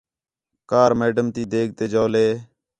کار میڈم تی دیگ تے جَولے